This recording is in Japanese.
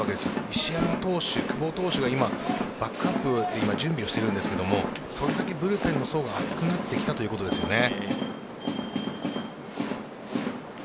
石山投手、久保投手がバックアップ準備をしているんですがそれだけブルペンの層が厚くなってきたということですね。